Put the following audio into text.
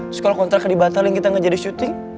terus kalo kontraknya dibatalin kita gak jadi syuting